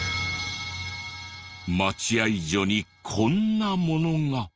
待合所にこんなものが。